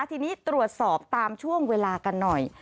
ทีนี้ตรวจสอบตามช่วงเวลากันหน่อย